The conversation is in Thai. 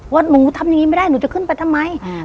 ว่าหนูทำอย่างนี้ไม่ได้หนูจะขึ้นไปทำไม